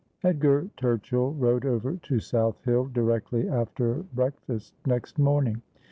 Edgar Turchill rode over to South Hill directly after breakfast next morning.